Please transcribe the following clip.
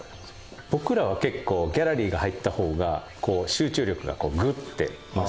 僕らは結構ギャラリーが入った方がこう集中力がグッて増して。